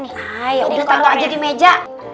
udah taro aja di meja